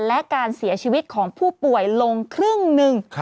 และการเสียชีวิตของผู้ป่วยลงครึ่งหนึ่ง